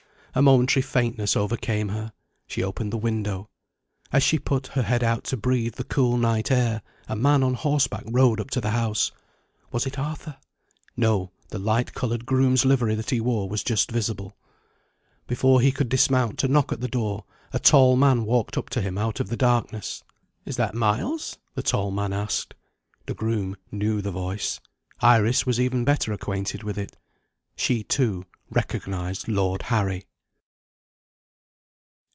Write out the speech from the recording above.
A momentary faintness overcame her; she opened the window. As she put her head out to breathe the cool night air, a man on horseback rode up to the house. Was it Arthur? No: the light coloured groom's livery that he wore was just visible. Before he could dismount to knock at the door, a tall man walked up to him out of the darkness. "Is that Miles?" the tall man asked. The groom knew the voice. Iris was even better acquainted with it. She, too, recognised Lord Harry.